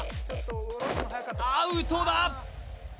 アウトだ！